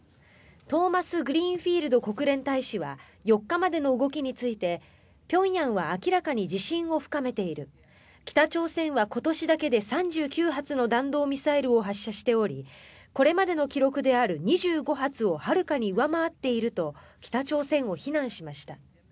トーマスグリーンフィールド国連大使は４日までの動きについて平壌は明らかに自信を深めている北朝鮮は今年だけで３９発の弾道ミサイルを発射しておりこれまでの記録である２５発をはるかに上回っていると北朝鮮を非難しました。